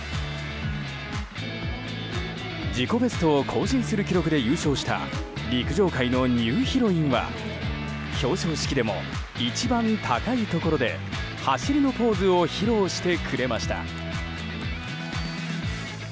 自己ベストを更新する記録で優勝した陸上界のニューヒロインは表彰式でも一番高いところで走りのポーズを披露してくれました。